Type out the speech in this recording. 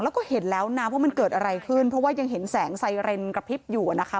แล้วก็เห็นแล้วนะว่ามันเกิดอะไรขึ้นเพราะว่ายังเห็นแสงไซเรนกระพริบอยู่นะคะ